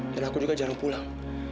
dan aku juga jarang pulang